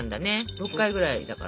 ６回ぐらいだから。